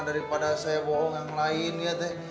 daripada saya bohong yang lain ya teh